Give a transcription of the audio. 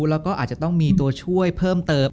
แล้วก็อาจจะต้องมีตัวช่วยเพิ่มเติม